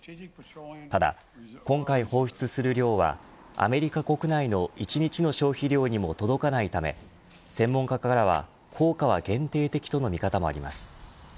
ただ今回放出する量はアメリカ国内の１日の消費量にも届かないため専門家からは効果は限定的との見方もあります。